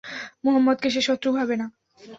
মুহাম্মাদকে সে শত্রু ভাবে না।